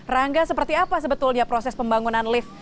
rangga seperti apa sebetulnya proses pembangunan lift